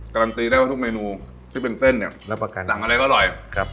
การันตีได้ว่าทุกเมนูที่เป็นเส้นเนี่ยสั่งอะไรก็อร่อย